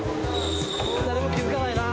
誰も気付かないな。